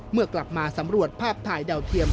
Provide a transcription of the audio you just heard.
เมื่อกลับมาสำรวจภาพถ่ายดาวเทียม